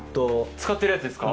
使ってるやつですか。